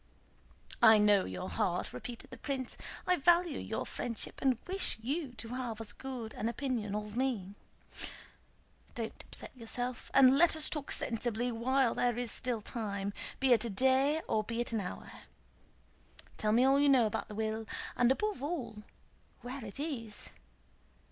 "I know your heart," repeated the prince. "I value your friendship and wish you to have as good an opinion of me. Don't upset yourself, and let us talk sensibly while there is still time, be it a day or be it but an hour.... Tell me all you know about the will, and above all where it is.